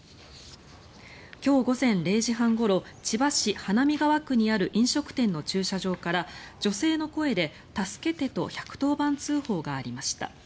今日午前０時半ごろ千葉市花見川区にある飲食店の駐車場から女性の声で助けてと１１０番通報がありました。